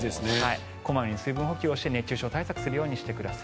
小まめに水分補給して熱中症対策してください。